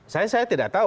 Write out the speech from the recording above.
saya tidak tahu